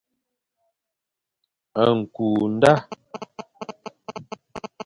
Ñkü nda.